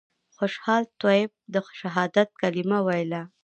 خوشحال طیب د شهادت کلمه ویله.